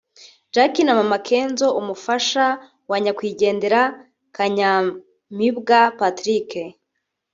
Jacky na Mama Kenzo (umufasha wa nyakwigendera Kanyamibwa Patrick)